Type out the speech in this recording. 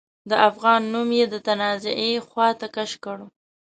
د افغان نوم يې د تنازعې خواته کش کړ.